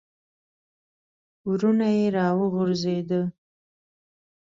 ورونه یې را وغورځېده.